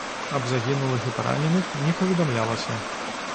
Аб загінулых і параненых не паведамлялася.